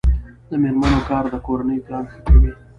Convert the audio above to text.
د میرمنو کار د کورنۍ پلان ښه کوي.